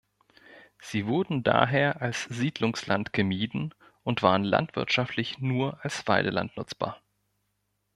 Sie wurden daher als Siedlungsland gemieden und waren landwirtschaftlich nur als Weideland nutzbar.